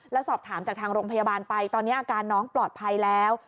แล้วสอบถามจากทางโรงพยาบาลไปตอนนี้อาการน้องปลอดภัยแล้ว